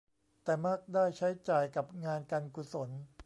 แต่มักได้ใช้จ่ายกับงานการกุศล